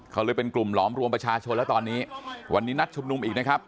เขาเลยเป็นกลุ่มหลอมรวมประชาชนแล้วตอนนี้วันนี้นัดชุมนุมอีกนะครับ